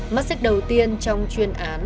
mắt xích đầu tiên trong chuyên án